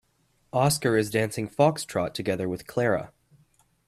Oscar is dancing foxtrot together with Clara.